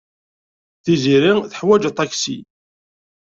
Tiziri teḥwaj aṭaksi.